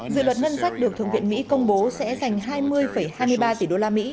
dự luật ngân sách được thượng viện mỹ công bố sẽ dành hai mươi hai mươi ba tỷ đô la mỹ